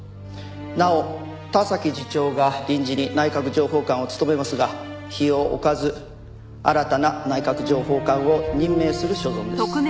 なお田崎次長が臨時に内閣情報官を務めますが日を置かず新たな内閣情報官を任命する所存です。